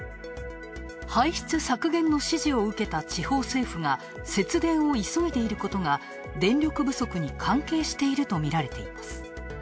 排出削減の指示を受けた地方政府が節電を急いでいることが電力不足に関係しているとみられています。